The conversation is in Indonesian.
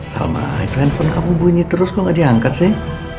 salma itu handphone kamu bunyi terus kok gak diangkat sih